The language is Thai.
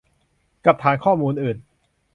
กับฐานข้อมูลอื่น